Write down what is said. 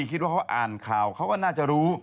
คิดว่าเขาอ่านข่าวเขาก็น่าจะรู้